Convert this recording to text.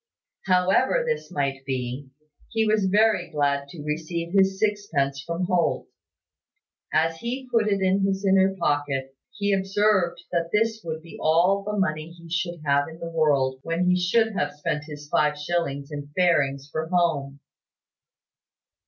However this might be, he was very glad to receive his sixpence from Holt. As he put it in his inner pocket, he observed that this would be all the money he should have in the world when he should have spent his five shillings in fairings for home.